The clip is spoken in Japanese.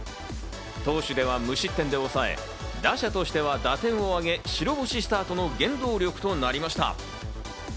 投手では無失点で抑え、打者としては打点を挙げ、白星スタートの原動力となりました。